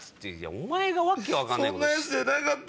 お前が訳分かんないこと。